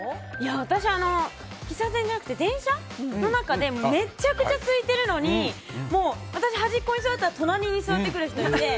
私、喫茶店じゃなくて電車の中でめちゃくちゃ空いているのに私、端っこに座ったら隣に座ってくる人がいて。